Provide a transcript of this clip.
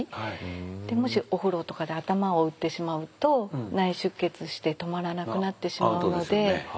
もしお風呂とかで頭を打ってしまうと内出血して止まらなくなってしまうので。